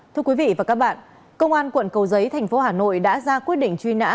thưa quý vị và các bạn công an quận cầu giấy thành phố hà nội đã ra quyết định truy nã